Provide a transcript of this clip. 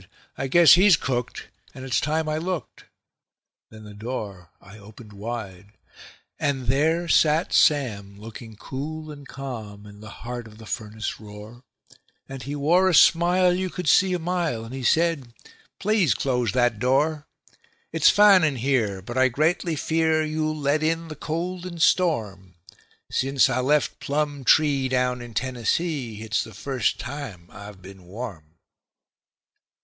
I guess he's cooked, and it's time I looked";. .. then the door I opened wide. And there sat Sam, looking cool and calm, in the heart of the furnace roar; And he wore a smile you could see a mile, and he said: "Please close that door. It's fine in here, but I greatly fear you'll let in the cold and storm Since I left Plumtree, down in Tennessee, it's the first time I've been warm."